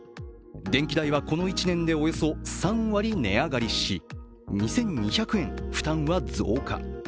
電気代はこの１年でおよそ３割値上がりし、２２００円負担は増加。